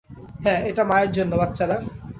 হ্যাঁ, এটা মায়ের জন্য, বাচ্চারা।